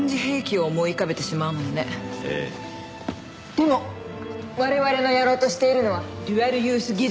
でも我々のやろうとしているのはデュアルユース技術の輸出。